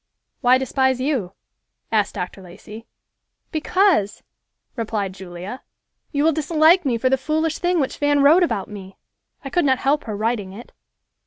"Why despise you?" asked Dr. Lacey. "Because," replied Julia, "you will dislike me for the foolish thing which Fan wrote about me. I could not help her writing it."